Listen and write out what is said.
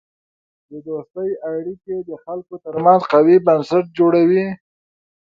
د دوستی اړیکې د خلکو ترمنځ قوی بنسټ جوړوي.